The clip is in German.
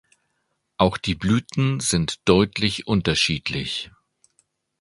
Auch die Blüten sind deutlich unterschiedlich.